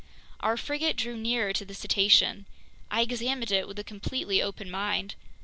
Our frigate drew nearer to the cetacean. I examined it with a completely open mind.